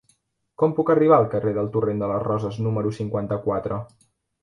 Com puc arribar al carrer del Torrent de les Roses número cinquanta-quatre?